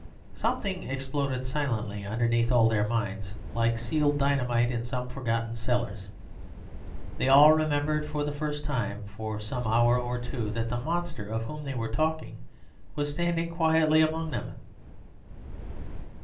Something exploded silently underneath all their minds, like sealed dynamite in some forgotten cellars. They all remembered for the first time for some hour or two that the monster of whom they were talking was standing quietly among them.